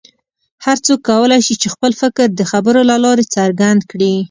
هر څوک کولی شي چې خپل فکر د خبرو له لارې څرګند کړي.